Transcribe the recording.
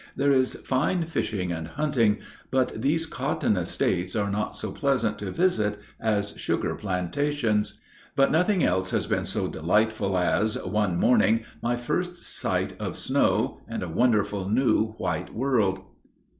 There is fine fishing and hunting, but these cotton estates are not so pleasant to visit as sugar plantations. But nothing else has been so delightful as, one morning, my first sight of snow and a wonderful new, white world.